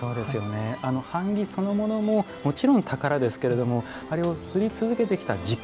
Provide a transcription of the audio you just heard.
版木そのものももちろん宝ですけれどもあれを刷り続けてきた時間。